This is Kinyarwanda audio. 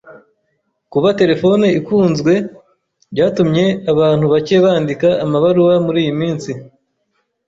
Kuba terefone ikunzwe byatumye abantu bake bandika amabaruwa muriyi minsi